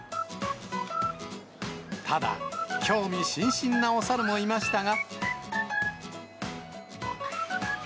ただ、興味津々なお猿もいましたが。